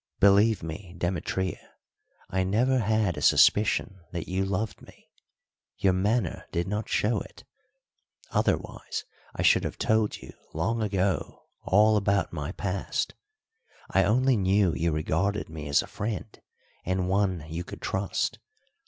"Believe me, Demetria, I never had a suspicion that you loved me. Your manner did not show it, otherwise I should have told you long ago all about my past. I only knew you regarded me as a friend and one you could trust.